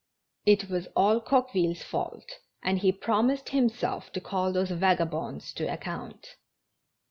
It was all Coqueville's fault, and he promised himself to call those vagabonds to account!